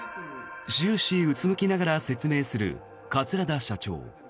終始、うつむきながら説明する桂田社長。